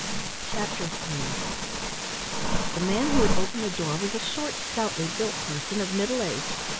Chapter III The man who had opened the door was a short, stoutly built person of middle age.